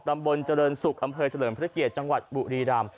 ตำบลเจริญศุกร์คำเภยเจริญพระเกียจังหวัดบุรีราม